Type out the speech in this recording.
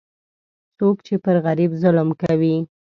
څوک چې پر غریب ظلم کوي،